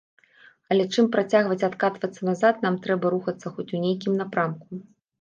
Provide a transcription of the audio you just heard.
Але, чым працягваць адкатвацца назад, нам трэба рухацца хоць у нейкім напрамку.